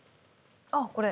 あっこれ。